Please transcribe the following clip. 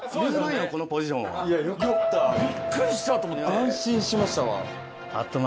安心しましたわ。